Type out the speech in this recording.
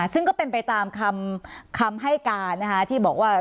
ซึ่งก็เป็นไปตามคำให้การนะคะที่บอกว่า